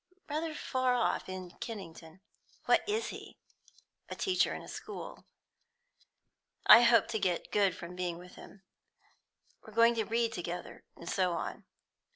"Rather far off; in Kennington." "What is he?" "A teacher in a school. I hope to get good from being with him; we're going to read together, and so on.